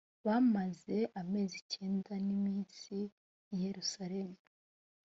bamaze amezi cyenda n’ iminsi i yerusalemu